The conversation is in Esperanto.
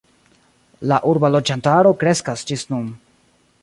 La urba loĝantaro kreskas ĝis nun.